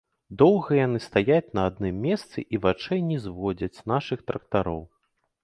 Доўга яны стаяць на адным месцы і вачэй не зводзяць з нашых трактароў.